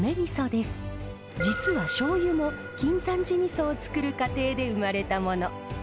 実はしょうゆも径山寺みそをつくる過程で生まれたもの。